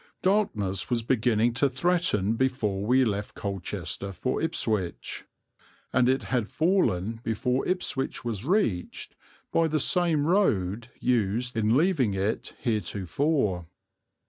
Darkness was beginning to threaten before we left Colchester for Ipswich, and it had fallen before Ipswich was reached by the same road used in leaving it heretofore.